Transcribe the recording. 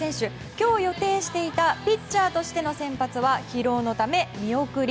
今日予定していたピッチャーとしての先発は疲労のため見送り。